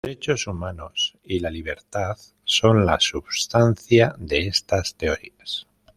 Los derechos humanos y la libertad son la substancia de estas teorías.